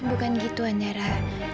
bukan gitu andara